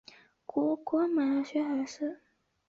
果姆雪尔是英国英格兰萨里郡吉尔福德的一个村庄。